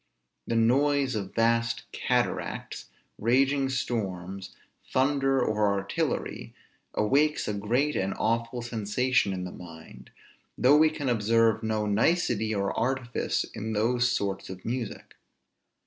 The noise of vast cataracts, raging storms, thunder, or artillery, awakes a great and awful sensation in the mind, though we can observe no nicety or artifice in those sorts of music.